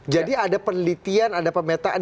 jadi ada penelitian ada pemetaan